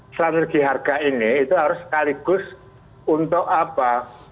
strategi harga ini itu harus sekaligus untuk apa